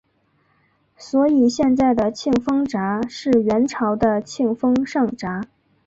所以现在的庆丰闸是元朝的庆丰上闸。